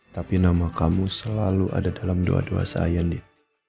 tapi nama kamu selalu ada dalam doa doa saya nih